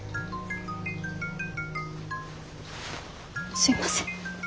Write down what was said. すいません。